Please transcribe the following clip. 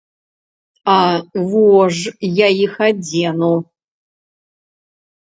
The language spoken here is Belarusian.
А во ж я іх адзену.